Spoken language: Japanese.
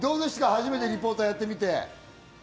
初めてリポーターやってみて。